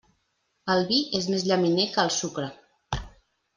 El vi és més llaminer que el sucre.